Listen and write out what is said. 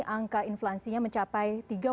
angka inflasinya mencapai